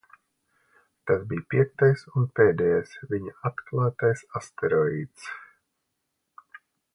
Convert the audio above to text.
Tas bija piektais un pēdējais viņa atklātais asteroīds.